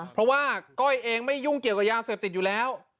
เพราะว่าก้อยเองไม่ยุ่งเกี่ยวกับยาเสพติดอยู่แล้ว